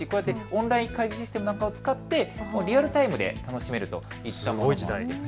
オンライン会議システムを使ってリアルタイムで楽しめるといったものもある。